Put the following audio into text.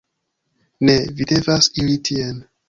Ne, vi devas iri tien.